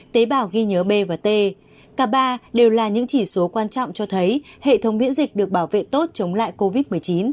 tế bào ghi nhớ b và tk ba đều là những chỉ số quan trọng cho thấy hệ thống miễn dịch được bảo vệ tốt chống lại covid một mươi chín